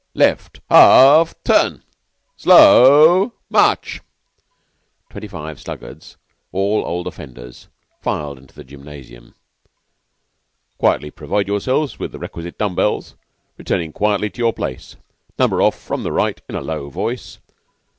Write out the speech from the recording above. Left, half turn! Slow march." Twenty five sluggards, all old offenders, filed into the gymnasium. "Quietly provide yourselves with the requisite dumb bells; returnin' quietly to your place. Number off from the right, in a low voice.